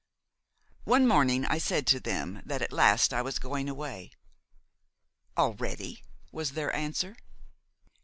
One morning I said to them that at last I was going away. "Already!" was their answer.